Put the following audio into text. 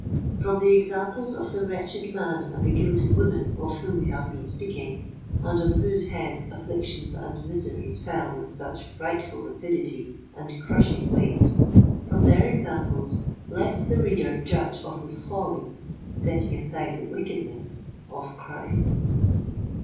From the examples of the wretched man and the guilty woman of whom we have been speaking, and on whose heads afflictions and miseries fell with such frightful rapidity and crushing weight,—from their examples let the reader judge of the folly—setting aside the wickedness—of crime.